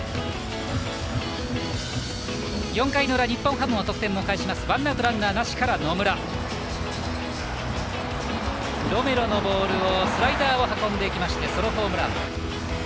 ４回の裏、日本ハムの得点ワンアウトランナーなしから野村ロメロのボールをスライダーを運んでいきましたソロホームラン。